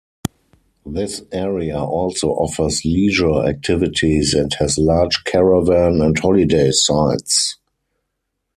This area also offers leisure activities, and has large caravan and holiday sites.